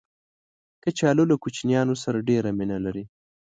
کچالو له کوچنیانو سره ډېر مینه لري